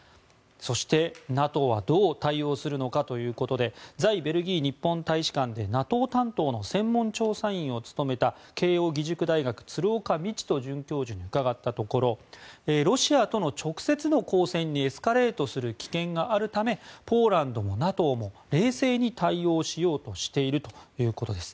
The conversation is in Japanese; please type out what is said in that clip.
そして、ＮＡＴＯはどう対応するのかということで在ベルギー日本大使館でＮＡＴＯ担当の専門調査員を務めた慶應義塾大学、鶴岡路人准教授に伺ったところロシアとの直接の交戦にエスカレートする危険があるためポーランドもＮＡＴＯも冷静に対応しようとしているということです。